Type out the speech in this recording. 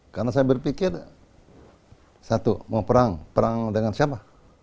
karena saya berpikir satu mau perang perang dengan siapa